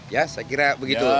ya saya kira begitu